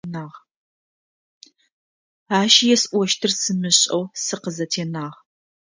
Ащ есӀощтыр сымышӀэу сыкъызэтенагъ.